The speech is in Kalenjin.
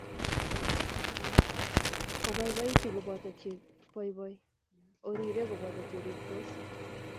Oboiboitu koboto che boiboi , oririe koboto che ristos.